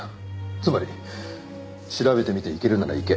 つまり調べてみていけるならいけ。